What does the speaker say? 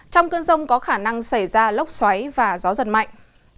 trong cơn rông có khả năng xảy ra lốc xoáy và gió giật mạnh